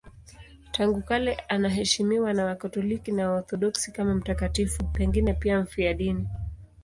Tangu kale anaheshimiwa na Wakatoliki na Waorthodoksi kama mtakatifu, pengine pia mfiadini.